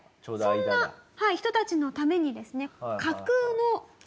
そんな人たちのためにですね。